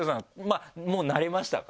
もう慣れましたか？